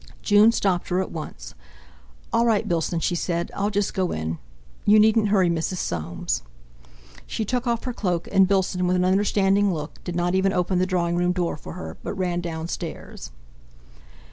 June stopped her at once. "All right, Bilson," she said, "I'll just go in. You, needn't hurry Mrs. Soames." She took off her cloak, and Bilson, with an understanding look, did not even open the drawing room door for her, but ran downstairs.